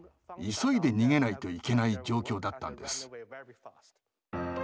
急いで逃げないといけない状況だったんです。